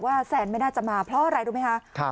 แซนไม่น่าจะมาเพราะอะไรรู้ไหมคะ